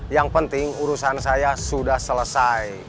yang penting urusan saya sudah selesai